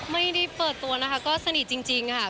ไม่ได้เปิดตัวนะคะก็สนิทจริงค่ะ